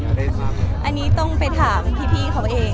แม็กซ์ก็คือหนักที่สุดในชีวิตเลยจริง